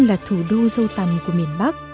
là thủ đô dâu tầm của miền bắc